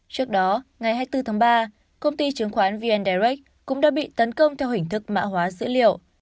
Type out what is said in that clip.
trước đó ngày hai mươi bốn tháng ba công ty chứng khoán vn direct cũng đã bị tấn công theo hình thức mạ hóa dữ liệu